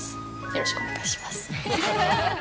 よろしくお願いします。